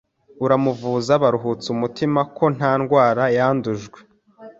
uramuvuza baruhutsa umutima ko nta ndwara yandujwe